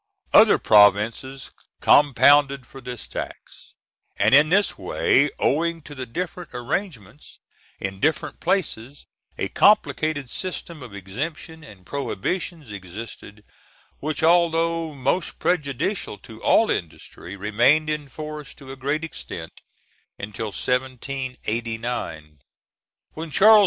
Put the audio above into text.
Other provinces compounded for this tax, and in this way, owing to the different arrangements in different places, a complicated system of exemptions and prohibitions existed which although most prejudicial to all industry, remained in force to a great extent until 1789. When Charles V.